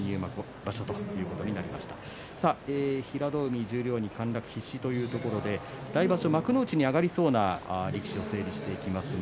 平戸海十両に陥落必至ということで来場所、幕内に上がりそうな力士を整理していきます。